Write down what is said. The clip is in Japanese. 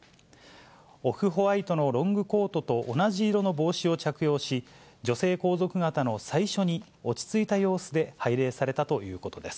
オフホワイトのロングコートと同じ色の帽子を着用し、女性皇族方の最初に、落ち着いた様子で拝礼されたということです。